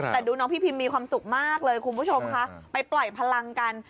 แต่ดูน้องพี่พิมมีความสุขมากเลยคุณผู้ชมค่ะไปปล่อยพลังกัน